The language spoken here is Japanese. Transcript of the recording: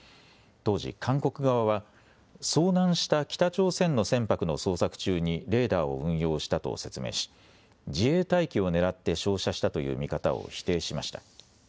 当時、韓国側は遭難した北朝鮮の船舶の捜索中にレーダーを運用したと説明し自衛隊機を狙って照射したという見方を否定しました。